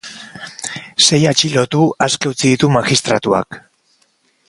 Sei atxilotu aske utzi ditu magistratuak.